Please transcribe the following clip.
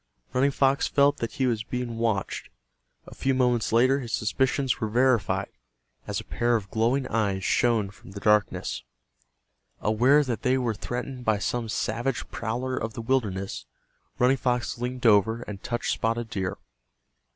Running Fox felt that he was being watched. A few moments later his suspicions were verified, as a pair of glowing eyes shone from the darkness. Aware that they were threatened by some savage prowler of the wilderness, Running Fox leaned over and touched Spotted Deer.